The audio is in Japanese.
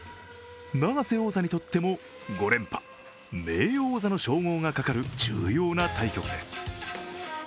永瀬王座にとっても５連覇、名誉王座の称号がかかる重要な対局です。